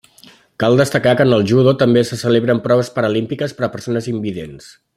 Cal destacar que en el Judo també se celebren proves paralímpiques per a persones invidents.